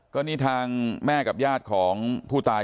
ก็นี่ทางแม่กับญาติของผู้ตาย